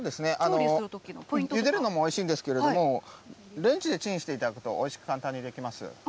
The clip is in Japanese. そうですね、ゆでるのもおいしいんですけれども、レンジでチンしていただくと、おいしく簡単に出来ます。